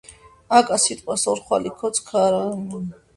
აკა სიტყვას ორხვალი კოც ქაარაგადაფუანანია